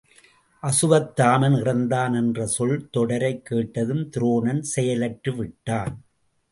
அசுவத்தாமன் இறந்தான் என்ற சொல் தொடரைக் கேட்டதும் துரோணன் செயலற்று விட்டான்.